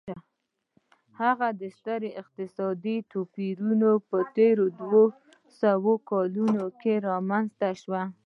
دغه ستر اقتصادي توپیرونه په تېرو دوه سوو کلونو کې رامنځته شوي.